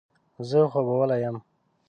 زه خوبولی یم.